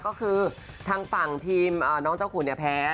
ก็คือทางฝั่งทีมน้องเจ้าขุนเนี่ยแพ้